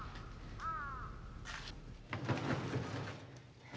うん。